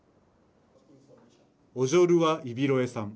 オジョルワ・イビロエさん。